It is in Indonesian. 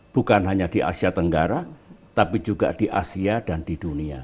bukan hanya di asia tenggara tapi juga di asia dan di dunia